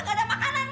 tidak ada makanan